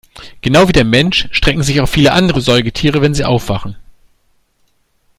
Genau wie der Mensch strecken sich auch viele andere Säugetiere, wenn sie aufwachen.